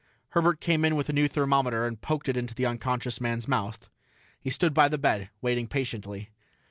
Herbert came in with a new thermometer and poked it into the unconscious man's mouth. He stood by the bed, waiting patiently.